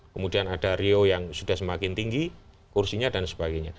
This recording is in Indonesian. kemudian ada rio yang sudah semakin tinggi kursinya dan sebagainya